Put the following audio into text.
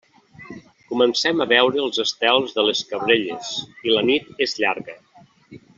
Comencem a veure els estels de les Cabrelles i la nit és llarga.